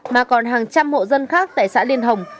mà còn hàng trăm hộ dân khác tại xã liên hồng